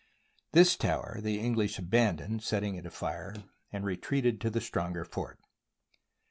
This tower the Eng lish abandoned, setting it afire, and retreated to the stronger fort.